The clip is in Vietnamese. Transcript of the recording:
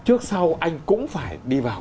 trước sau anh cũng phải đi vào